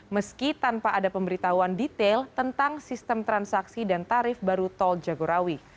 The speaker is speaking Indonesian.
meski tanpa ada pemberitahuan detail tentang sistem transaksi dan tarif baru tol jagorawi